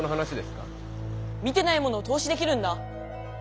見てないものを透視できるんだ！